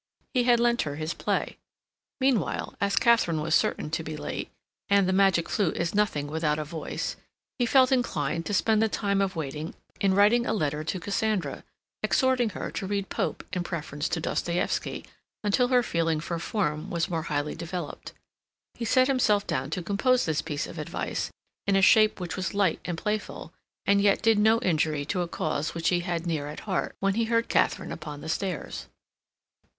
He had lent her his play. Meanwhile, as Katharine was certain to be late, and "The Magic Flute" is nothing without a voice, he felt inclined to spend the time of waiting in writing a letter to Cassandra, exhorting her to read Pope in preference to Dostoevsky, until her feeling for form was more highly developed. He set himself down to compose this piece of advice in a shape which was light and playful, and yet did no injury to a cause which he had near at heart, when he heard Katharine upon the stairs.